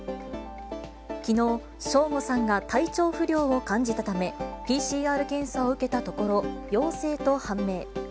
きのう、ショーゴさんが体調不良を感じたため、ＰＣＲ検査を受けたところ、陽性と判明。